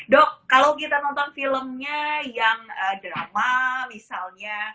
dok kalau kita nonton filmnya yang drama misalnya